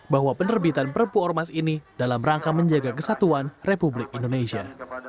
bahwa penerbitan perpu ormas ini dalam rangka menjaga kesatuan republik indonesia